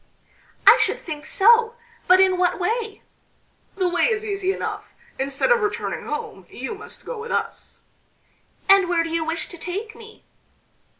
"I should think so! But in what way?" "The way is easy enough. Instead of returning home you must go with us." "And where do you wish to take me?"